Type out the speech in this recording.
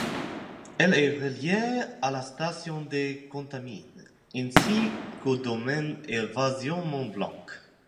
Elle est reliée à la station des Contamines, ainsi qu'au domaine Évasion Mont-Blanc.